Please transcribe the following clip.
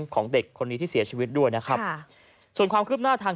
ของเด็กคนนี้ที่เสียชีวิตด้วยนะครับค่ะส่วนความคืบหน้าทาง